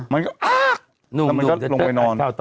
มันก็ลงไปนอน